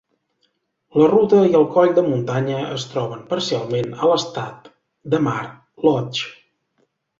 La ruta i el coll de muntanya es troben parcialment a l'Estat de Mar Lodge.